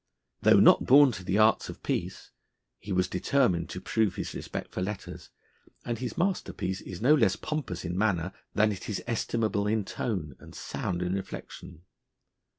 Though not born to the arts of peace, he was determined to prove his respect for letters, and his masterpiece is no less pompous in manner than it is estimable in tone and sound in reflection.